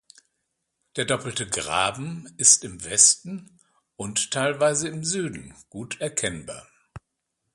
Der doppelte Graben ist im Westen und teilweise im Süden gut erkennbar.